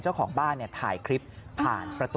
เจ้าของบ้านเนี่ยถ่ายท่าพิกษ์ผ่าน